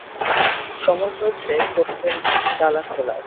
সময় হয়েছে কফিনের ডালা খোলার!